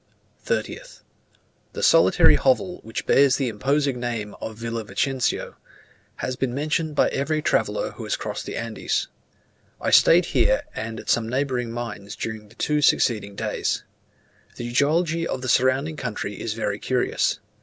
30th. The solitary hovel which bears the imposing name of Villa Vicencio, has been mentioned by every traveller who has crossed the Andes. I stayed here and at some neighbouring mines during the two succeeding days. The geology of the surrounding country is very curious.